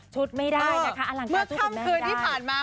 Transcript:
ชุดไม่ได้นะคะหลังจากชุดคุณแม่ไม่ได้เมื่อท่ามคืนที่ผ่านมา